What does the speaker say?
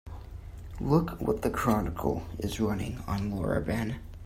Look what the Chronicle is running on Laura Ben.